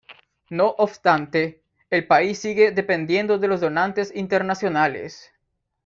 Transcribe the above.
No obstante, el país sigue dependiendo de los donantes internacionales.